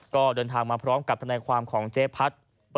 ก็เดินทางมาพร้อมกับทนายความของเจ๊พัด